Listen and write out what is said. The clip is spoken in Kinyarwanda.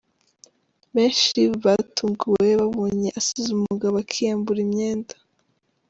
Benshi batunguwe babonye asize umugabo akiyambura imyenda.